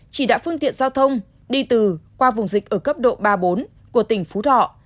chỉ đạo phương tiện giao thông đi từ qua vùng dịch ở cấp độ ba bốn của tỉnh phú thọ